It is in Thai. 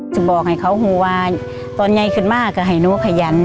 จะบอกให้เขาหัวตอนใหญ่ขึ้นมาก็ให้หนูขยัน